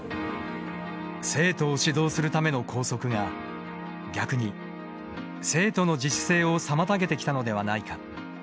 生徒を指導するための校則が逆に生徒の自主性を妨げてきたのではないか。